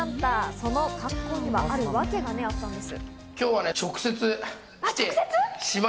その格好にはあるわけがあったんです。